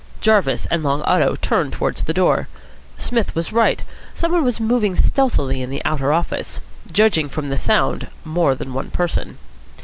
Jarvis and Long Otto turned towards the door. Psmith was right. Some one was moving stealthily in the outer office. Judging from the sound, more than one person.